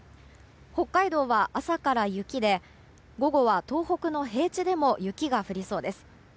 北海道は朝から雪で午後は東北の平地でも雪が降りそうです。